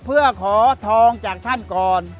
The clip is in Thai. เพื่อขอทองจากท่านก่อน